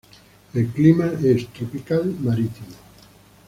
El clima es tropical marítimo.